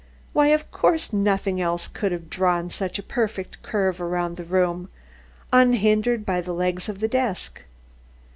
Why, of course, nothing else could have drawn such a perfect curve around the room, unhindered by the legs of the desk.